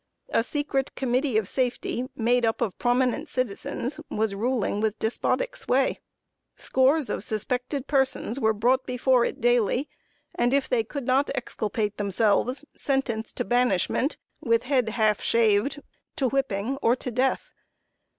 A secret Committee of Safety, made up of prominent citizens, was ruling with despotic sway. Scores of suspected persons were brought before it daily, and, if they could not exculpate themselves, sentenced to banishment, with head half shaved, to whipping, or to death.